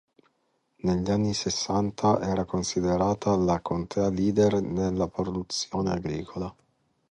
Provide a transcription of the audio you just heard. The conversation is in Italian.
Negli anni sessanta era considerata la contea leader nella produzione agricola.